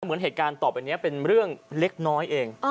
เหมือนเหตุการณ์ต่อไปนี้เป็นเรื่องเล็กน้อยเอง